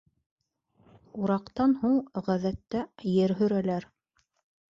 — Ураҡтан һуң, ғәҙәттә, ер һөрәләр.